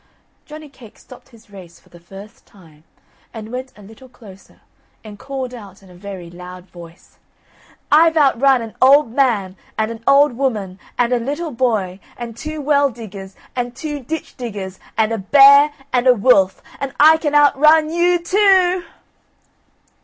Johnny cake stopped his race for the first time, and went a little closer, and called out in a very loud voice _"I've outrun an old man, and an old woman, and a little boy, and two well diggers, and two ditch diggers, and a bear, and a wolf, and I can outrun you too o o."